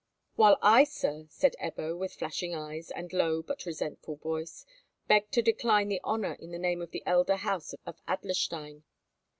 "While I, sir," said Ebbo, with flashing eyes, and low but resentful voice, "beg to decline the honour in the name of the elder house of Adlerstein."